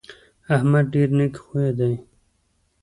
احمد ډېر نېک خویه دی.